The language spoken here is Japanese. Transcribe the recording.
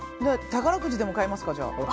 宝くじでも買いますか？